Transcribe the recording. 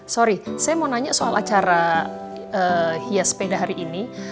sorry saya mau nanya soal acara hias sepeda hari ini